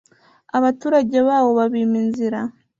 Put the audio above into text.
abaturage bawo babima inzira